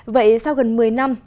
vậy sau gần một mươi năm